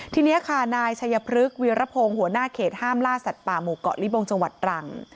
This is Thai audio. ทีนี้ค่ะนายชัยพฤกษ์วีรพงศ์หัวหน้าเขตห้ามล่าสัตว์ป่าหมู่เกาะลิบงจังหวัดตรัง